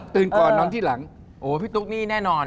ก่อนนอนที่หลังโอ้พี่ตุ๊กนี่แน่นอน